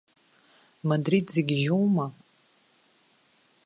Мадрид зегьы жьоума?